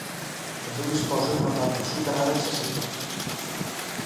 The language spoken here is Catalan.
També disposa d'una planta soterrada accessible.